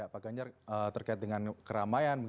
pak ganjar terkait dengan keramaian